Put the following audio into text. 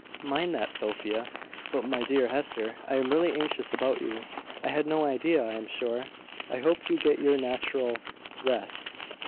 "Mind that, Sophia. But, my dear Hester, I am really anxious about you. I had no idea, I am sure . I hope you get your natural rest."